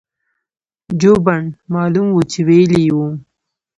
جوبن معلوم وو چې وييلي يې وو-